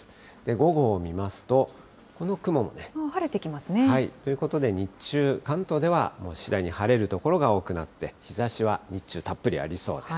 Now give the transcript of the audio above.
午後を見ますと、この雲もね。ということで、日中、関東ではもう次第に晴れる所が多くなって、日ざしは日中たっぷりありそうです。